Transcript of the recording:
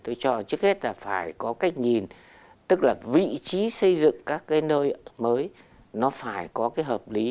tôi cho trước hết là phải có cách nhìn tức là vị trí xây dựng các cái nơi mới nó phải có cái hợp lý